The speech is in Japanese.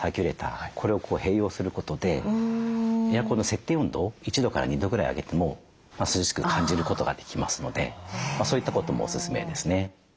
これを併用することでエアコンの設定温度を１度から２度ぐらい上げても涼しく感じることができますのでそういったこともオススメですね。